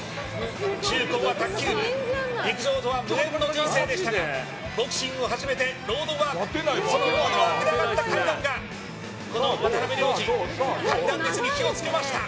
中高は卓球部陸上とは無縁の人生でしたがボクシングを始めてロードワークそのロードワークで培った階段がこの渡辺良治の階段熱に火を付けました。